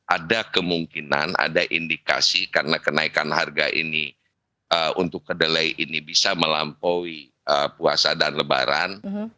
ada kemungkinan ada indikasi karena kenaikan harga ini untuk kedelai ini bisa melampaui puasa dan lebaran